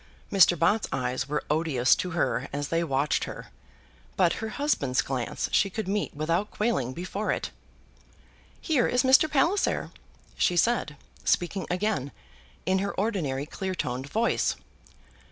Mr. Bott's eyes were odious to her as they watched her; but her husband's glance she could meet without quailing before it. "Here is Mr. Palliser," said she, speaking again in her ordinary clear toned voice.